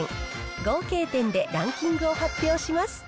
合計点でランキングを発表します。